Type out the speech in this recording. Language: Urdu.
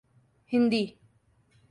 ہندی